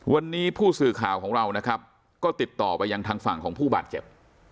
วันนี้ผู้สื่อข่าวของเรานะครับก็ติดต่อไปยังทางฝั่งของผู้บาดเจ็บ